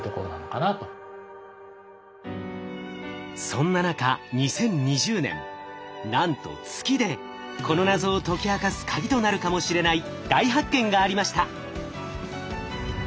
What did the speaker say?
そんな中２０２０年なんと月でこの謎を解き明かすカギとなるかもしれない大発見がありました。